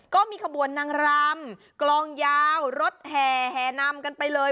ก็มีขบวนนางรำกลองยาวรถแห่แห่นำกันไปเลย